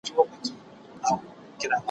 تش یو پوست وو پر هډوکو غوړېدلی